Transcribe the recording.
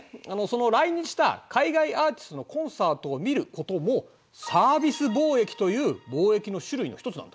その来日した海外アーティストのコンサートを見ることもサービス貿易という貿易の種類の一つなんだ。